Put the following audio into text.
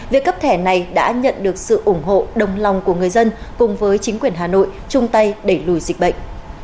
việc cấp thẻ này đã nhận được sự ủng hộ đồng lòng của người dân cùng với chính quyền hà nội chung tay đẩy lùi dịch bệnh